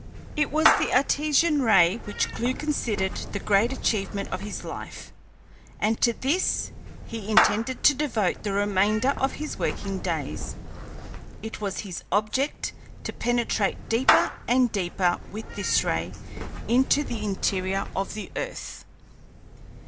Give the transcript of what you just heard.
It was the Artesian ray which Clewe considered the great achievement of his life, and to this he intended to devote the remainder of his working days. It was his object to penetrate deeper and deeper with this ray into the interior of the earth.